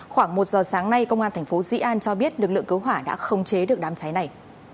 khoảng một giờ sáng nay công an thành phố dĩ an cho biết lực lượng cứu hỏa đã không chế được đám cháy này